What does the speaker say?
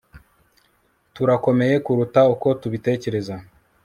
turakomeye kuruta uko tubitekereza